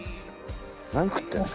何食ってんの？